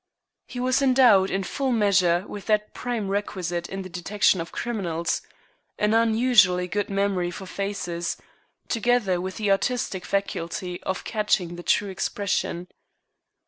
He was endowed in full measure with that prime requisite in the detection of criminals, an unusually good memory for faces, together with the artistic faculty of catching the true expression.